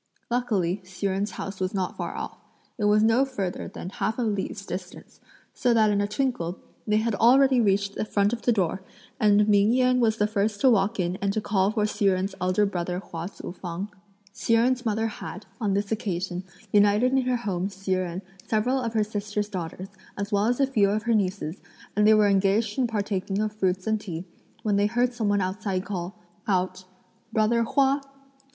Luckily Hsi Jen's house was not far off. It was no further than half a li's distance, so that in a twinkle they had already reached the front of the door, and Ming Yen was the first to walk in and to call for Hsi Jen's eldest brother Hua Tzu fang. Hsi Jen's mother had, on this occasion, united in her home Hsi Jen, several of her sister's daughters, as well as a few of her nieces, and they were engaged in partaking of fruits and tea, when they heard some one outside call out, "Brother Hua."